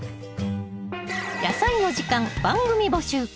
「やさいの時間」番組募集。